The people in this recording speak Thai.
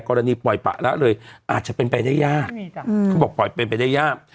ปล่อยปะละเลยอาจจะเป็นไปได้ยากเขาบอกปล่อยเป็นไปได้ยาก